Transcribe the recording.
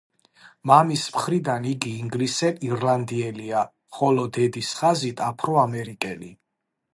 მამის მხრიდან იგი ინგლისელ-ირლანდიელია, ხოლო დედის ხაზით აფროამერიკელი.